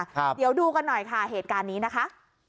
เดี๋ยวดูกันหน่อยค่ะเหตุการณ์นี้นะคะ